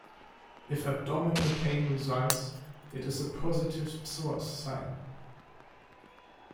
If abdominal pain results, it is a "positive psoas sign".